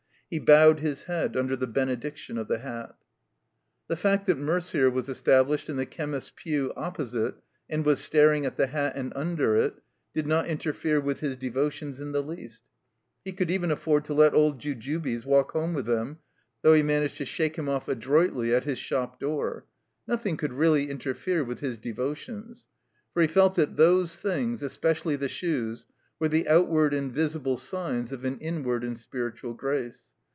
He bowed his head under the benediction of the hat. The fact that Merder was established in the chemist's pew opposite, and was staring at the hat, and under it, did not interfere with his devotions in the least. He could even afford to let old Jujubes walk home with them, though he managed to shake 199 THE COMBINED MAZE him off adroitly at his shop door. Nothing could really interfere with his devotions. For he felt that those things, especially the shoes, were the outward and visible signs of an inward and spiritual grace.